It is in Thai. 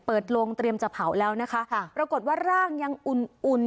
ลงเตรียมจะเผาแล้วนะคะปรากฏว่าร่างยังอุ่นอุ่น